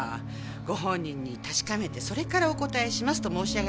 ご本人に確かめてそれからお答えしますと申し上げました